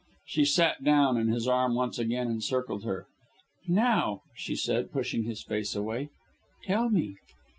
She sat down, and his arm once again encircled her. "Now," she said, pushing his face away. "Tell me!"